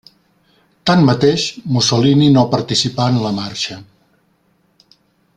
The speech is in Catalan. Tanmateix, Mussolini no participà en la marxa.